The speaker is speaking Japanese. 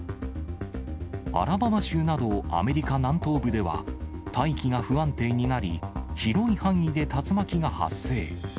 アラバマ州などアメリカ南東部では、大気が不安定になり、広い範囲で竜巻が発生。